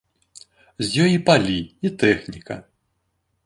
З ёй і палі, і тэхніка.